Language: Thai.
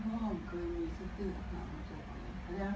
คุณตอนนี้นั้นขอจะให้ดู